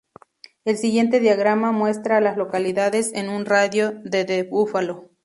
El siguiente diagrama muestra a las localidades en un radio de de Buffalo.